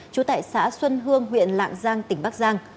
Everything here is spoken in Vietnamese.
trú tại xã xuân hương huyện lạng giang tỉnh bắc giang